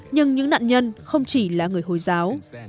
nhưng những nạn nhân không chỉ là người hồi giáo